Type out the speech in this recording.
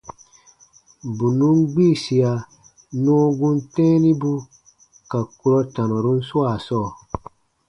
Bù nùn gbiisia nɔɔ gum tɛ̃ɛnibu ka kurɔ tanɔrun swaa sɔɔ.